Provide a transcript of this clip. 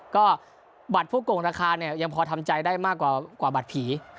ก็บัตรผู้โก่งราคาเนี่ยยังพอทำใจได้มากกว่าบัตรผี